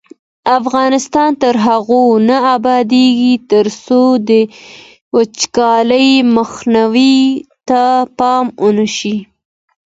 افغانستان تر هغو نه ابادیږي، ترڅو د وچکالۍ مخنیوي ته پام ونشي.